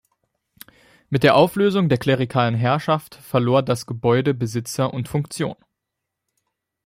Mit der Auflösung der klerikalen Herrschaft verlor das Gebäude Besitzer und Funktion.